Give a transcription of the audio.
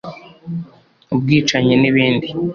ubwicanyi n’ibindi